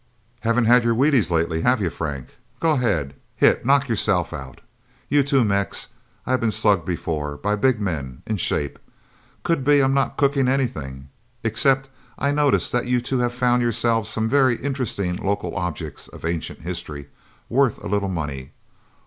"Haven't had your Wheaties lately, have you, Frank? Go ahead hit, knock yourself out. You, too, Mex. I've been slugged before, by big men, in shape...! Could be I'm not cooking anything. Except I notice that you two have found yourselves some very interesting local objects of ancient history, worth a little money.